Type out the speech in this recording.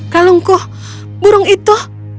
kalungku burung itu